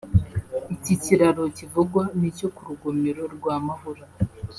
Iki kiraro kivugwa ni icyo ku Rugomero rwa Mahura